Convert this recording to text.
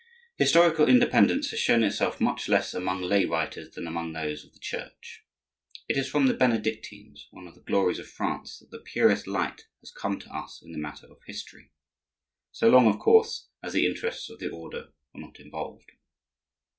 Historical independence has shown itself much less among lay writers than among those of the Church. It is from the Benedictines, one of the glories of France, that the purest light has come to us in the matter of history,—so long, of course, as the interests of the order were not involved.